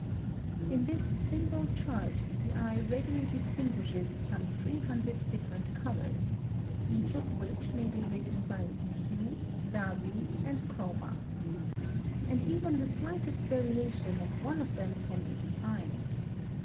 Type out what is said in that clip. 2).] (128) In this single chart the eye readily distinguishes some three hundred different colors, each of which may be written by its hue, value, and chroma. And even the slightest variation of one of them can be defined.